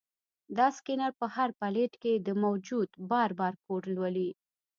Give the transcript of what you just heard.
دا سکینر په هر پلیټ کې د موجود بار بارکوډ لولي.